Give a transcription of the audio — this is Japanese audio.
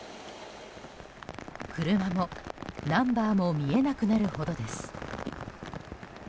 車も、ナンバーも見えなくなるほどです。